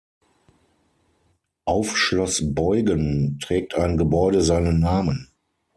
Auf Schloss Beuggen trägt ein Gebäude seinen Namen.